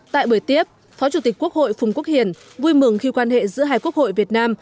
tại buổi tiếp phó chủ tịch quốc hội phùng quốc hiền vui mừng khi quan hệ giữa hai quốc hội việt nam